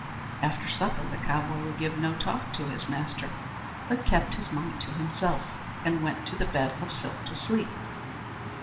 After supper the cowboy would give no talk to his master, but kept his mind to himself, and went to the bed of silk to sleep.